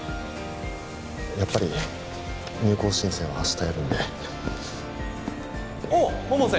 やっぱり入構申請は明日やるんでおう百瀬